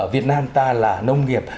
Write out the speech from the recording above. việt nam ta là nông nghiệp